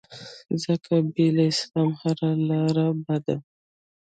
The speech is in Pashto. ځکه بې له اسلام هره لاره بده